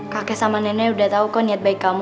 kakek sama nenek udah tahu kok niat baik kamu